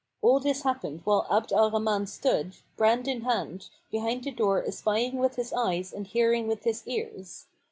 All this happened while Abd al Rahman stood, brand in hand, behind the door espying with his eyes and hearing with his ears.